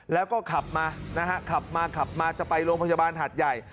แล้วก็ขับมานะฮะขับมาขับมาจะไปโรงพยาบาลหาดใหญ่